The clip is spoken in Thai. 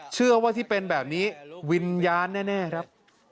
เชื่อว่าที่เป็นแบบนี้วิญญาณแน่ครับ